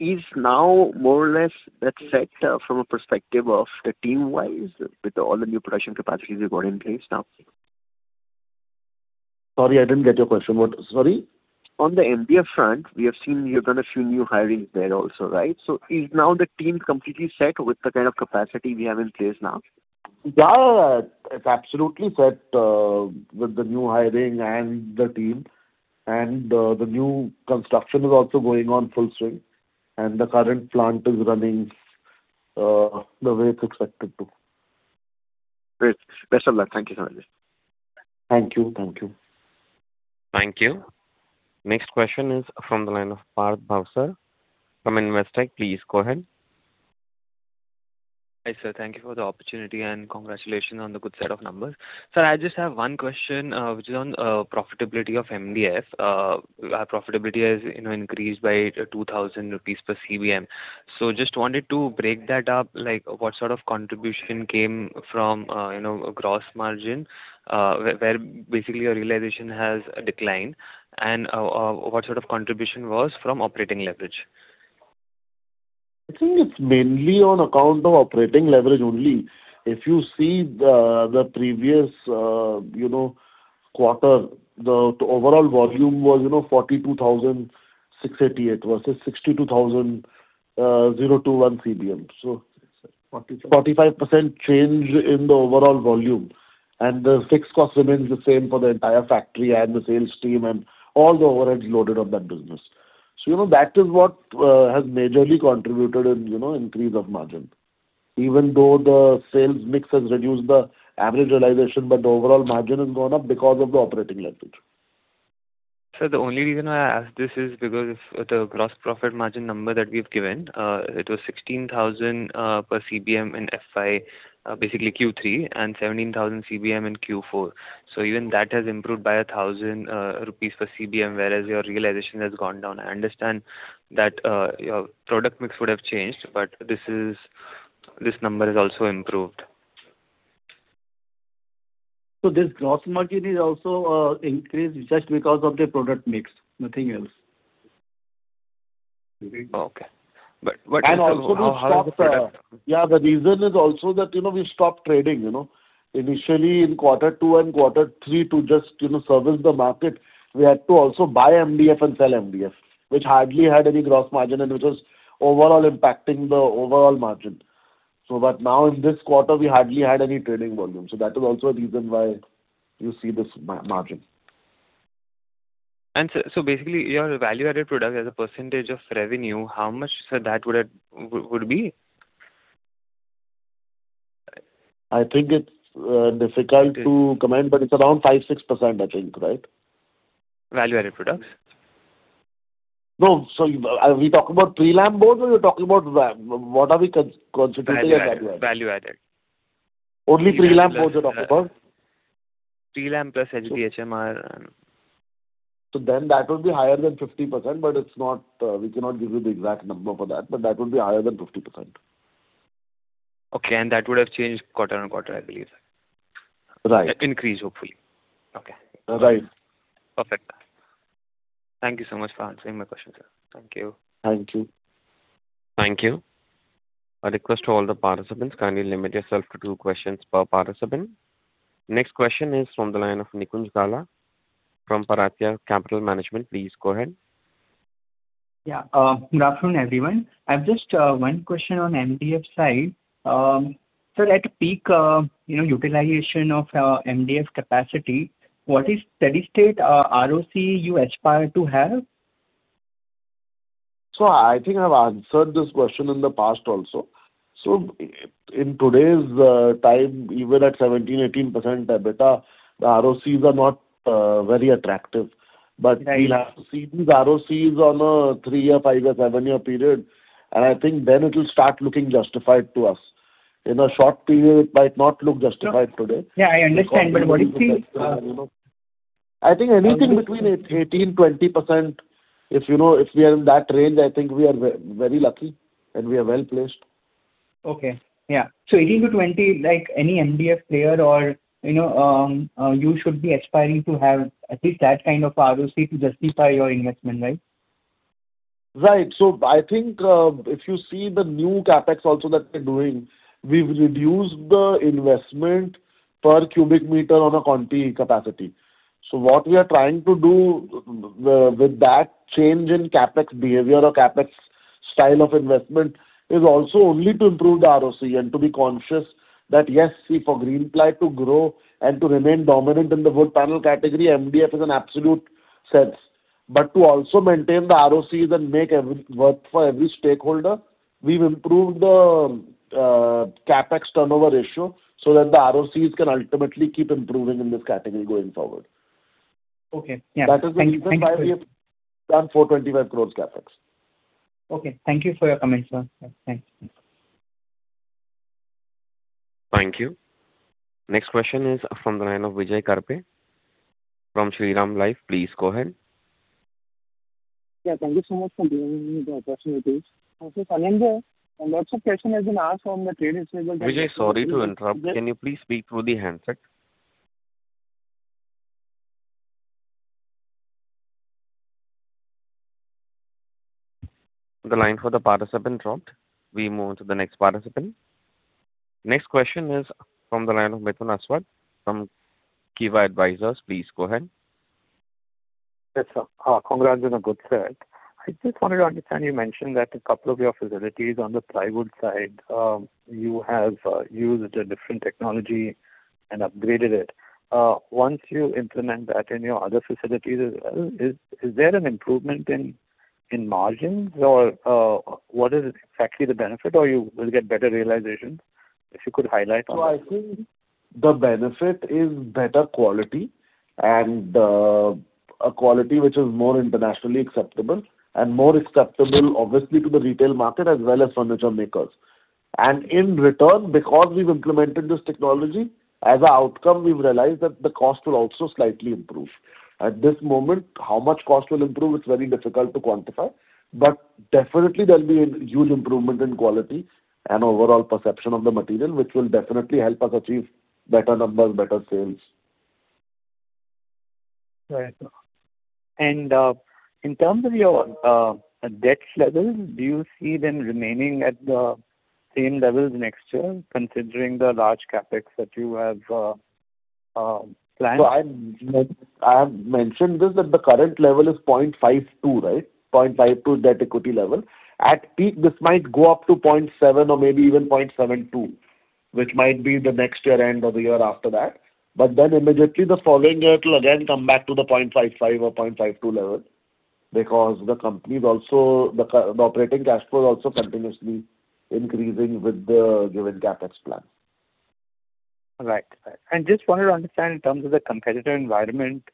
Is now more or less that's set from a perspective of the team-wise with all the new production capacities you got in place now? Sorry, I didn't get your question. What? Sorry. On the MDF front, we have seen you've done a few new hirings there also, right? Is now the team completely set with the kind of capacity we have in place now? Yeah, it's absolutely set, with the new hiring and the team and, the new construction is also going on full swing and the current plant is running, the way it's expected to. Great. Best of luck. Thank you so much. Thank you. Thank you. Thank you. Next question is from the line of Parth Bhavsar from Investec. Please go ahead. Hi, sir. Thank you for the opportunity, and congratulations on the good set of numbers. Sir, I just have one question, which is on profitability of MDF. Profitability has, you know, increased by 2,000 rupees per CBM. Just wanted to break that up, like what sort of contribution came from, you know, gross margin, where basically your realization has declined, and what sort of contribution was from operating leverage? I think it's mainly on account of operating leverage only. If you see the previous, you know, quarter, the overall volume was 42,688 versus 62,021 CBM. 45% change in the overall volume and the fixed cost remains the same for the entire factory and the sales team and all the overheads loaded of that business. You know, that is what has majorly contributed in, you know, increase of margin. Even though the sales mix has reduced the average realization, but the overall margin has gone up because of the operating leverage. Sir, the only reason I ask this is because the gross profit margin number that we've given, it was 16,000 per CBM in FY, basically Q3, and 17,000 CBM in Q4. Even that has improved by 1,000 rupees per CBM, whereas your realization has gone down. I understand that your product mix would have changed, but this number has also improved. This gross margin is also increased just because of the product mix, nothing else. Okay. What is the- We stopped. Yeah, the reason is also that, you know, we've stopped trading, you know. Initially in quarter two and quarter three to just, you know, service the market, we had to also buy MDF and sell MDF, which hardly had any gross margin and which was overall impacting the overall margin. Now in this quarter we hardly had any trading volume. That is also a reason why you see this margin. Sir, basically your value-added product as a percentage of revenue, how much, sir, that would be? I think it's difficult to comment, but it's around 5%-6% I think, right? Value-added products? No. Are we talking about pre-lam boards or you're talking about lam? What are we constituting as value added? Value-added. Only pre-lam boards you're talking about? Pre-lam plus HDF HMR and- That would be higher than 50%, but it's not, we cannot give you the exact number for that. That would be higher than 50%. Okay. That would have changed quarter-over-quarter, I believe, sir. Right. Increase, hopefully. Okay. Right. Perfect. Thank you so much for answering my question, sir. Thank you. Thank you. Thank you. A request to all the participants, kindly limit yourself to two questions per participant. Next question is from the line of Nikunj Gala from Pararthya Capital Management. Please go ahead. Yeah. Good afternoon, everyone. I've just one question on MDF side. At peak, you know, utilization of MDF capacity, what is steady state ROCE you aspire to have? I think I've answered this question in the past also. In today's time, even at 17%, 18% EBITDA, the ROCEs are not very attractive. Right. You'll have to see these ROCEs on a three-year, five-year, seven-year period, and I think then it will start looking justified to us. In a short period it might not look justified today. Yeah, I understand. What is the *crosstalk* I think anything between 18%, 20%, if, you know, if we are in that range, I think we are very lucky and we are well-placed. Okay. Yeah. 18%-20%, like any MDF player or, you know, you should be aspiring to have at least that kind of ROCE to justify your investment, right? Right. I think, if you see the new CapEx also that we're doing, we've reduced the investment per cubic meter on a conti capacity. What we are trying to do with that change in CapEx behavior or CapEx style of investment is also only to improve the ROCE and to be conscious that, yes, see, for Greenply to grow and to remain dominant in the wood panel category, MDF is an absolute sense. To also maintain the ROCEs and make every work for every stakeholder, we've improved the CapEx turnover ratio so that the ROCEs can ultimately keep improving in this category going forward. Okay. Yeah. That is the reason why we have done 425 crore CapEx. Okay. Thank you for your comments, sir. Yeah, thanks. Thank you. Next question is from the line of Vijay Karpe from Shriram Life. Please go ahead. Yeah. Thank you so much for giving me the opportunity. Sanidhya, lots of question has been asked from the trade Vijay, sorry to interrupt. Can you please speak through the handset? The line for the participant dropped. We move on to the next participant. Next question is from the line of Mithun Aswath from Kivah Advisors. Please go ahead. Yes, sir. Congrats on a good set. I just wanted to understand, you mentioned that a couple of your facilities on the plywood side, you have used a different technology and upgraded it. Once you implement that in your other facilities as well, is there an improvement in margins? What is exactly the benefit? You will get better realization? If you could highlight on that. I think the benefit is better quality and a quality which is more internationally acceptable and more acceptable obviously to the retail market as well as furniture makers. In return, because we've implemented this technology, as an outcome, we've realized that the cost will also slightly improve. At this moment, how much cost will improve, it's very difficult to quantify. Definitely there'll be a huge improvement in quality and overall perception of the material, which will definitely help us achieve better numbers, better sales. Right. In terms of your debt levels, do you see them remaining at the same levels next year considering the large CapEx that you have planned? I have mentioned this, that the current level is 0.52x, right? 0.52x debt-equity level. At peak, this might go up to 0.7x or maybe even 0.72x, which might be the next year-end or the year after that. Immediately the following year it'll again come back to the 0.55x or 0.52x level because the company is also the operating cash flow also continuously increasing with the given CapEx plan. Right. Just wanted to understand in terms of the competitor environment.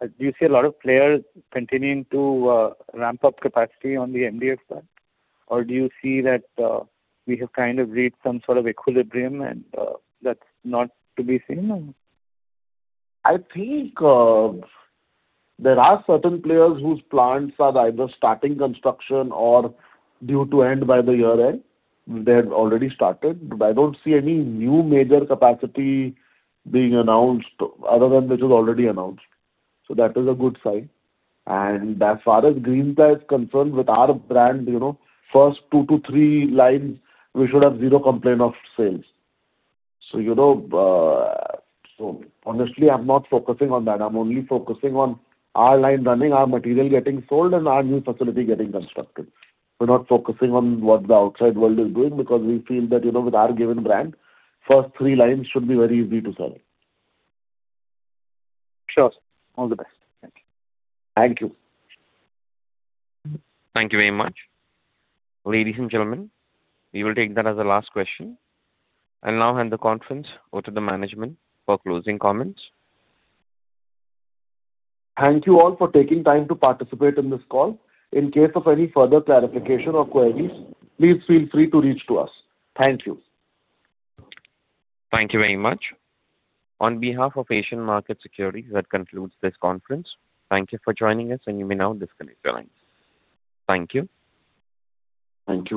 Do you see a lot of players continuing to ramp up capacity on the MDF side? Or do you see that we have kind of reached some sort of equilibrium and that's not to be seen now? I think there are certain players whose plants are either starting construction or due to end by the year end. They have already started. I don't see any new major capacity being announced other than which is already announced. That is a good sign. As far as Greenply is concerned, with our brand, you know, first two to three lines we should have zero complaint of sales. You know, honestly, I'm not focusing on that. I'm only focusing on our line running, our material getting sold, and our new facility getting constructed. We're not focusing on what the outside world is doing because we feel that, you know, with our given brand, first three lines should be very easy to sell. Sure. All the best. Thank you. Thank you. Thank you very much. Ladies and gentlemen, we will take that as the last question. I now hand the conference over to the management for closing comments. Thank you all for taking time to participate in this call. In case of any further clarification or queries, please feel free to reach to us. Thank you. Thank you very much. On behalf of Asian Markets Securities, that concludes this conference. Thank you for joining us, and you may now disconnect your lines. Thank you. Thank you.